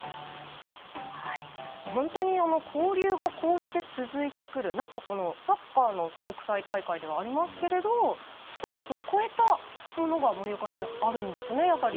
本当に交流がこうして続いてくるなんかこのサッカーの国際大会ではありますけれどスポーツを越えたものが森岡さんあるんですねやっぱり。